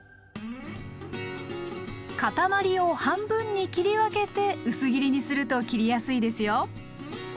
塊を半分に切り分けて薄切りにすると切りやすいですよ。